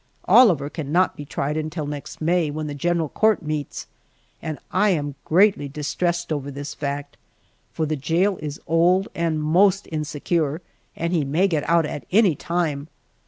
Oliver cannot be tried until next May, when the general court meets, and I am greatly distressed over this fact, for the jail is old and most insecure, and he may get out at any time.